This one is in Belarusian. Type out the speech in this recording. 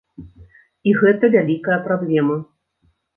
І гэта вялікая праблема.